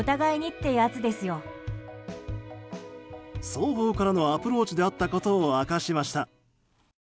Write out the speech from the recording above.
双方からのアプローチであったことを明かしました。